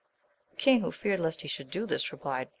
The king, who feared lest he should do this, replied.